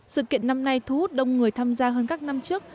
sự kiện năm nay thu hút đông người tham gia hơn các năm trước